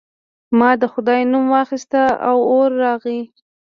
ما د خدای نوم واخیست او اور راغی.